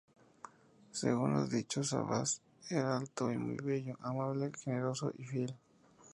Según los dichos, Abbás era alto y muy bello; amable, generoso y fiel.